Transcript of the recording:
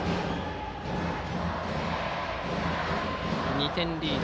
２点リード。